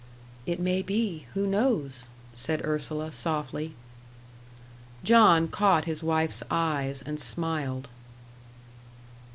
"It may be who knows?" said Ursula, softly. John caught his wife's eyes, and smiled.